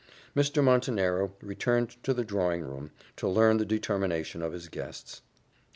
Mr. Montenero returned to the drawing room, to learn the determination of his guests.